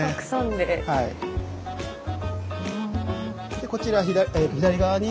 でこちら左側に。